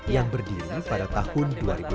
yang berdiri pada tahun dua ribu delapan